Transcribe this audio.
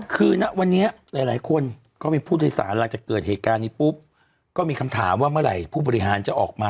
คือณวันนี้หลายคนก็มีผู้โดยสารหลังจากเกิดเหตุการณ์นี้ปุ๊บก็มีคำถามว่าเมื่อไหร่ผู้บริหารจะออกมา